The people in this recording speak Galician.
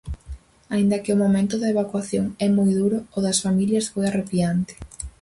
Aínda que o momento da evacuación é moi duro, o das familias foi arrepiante.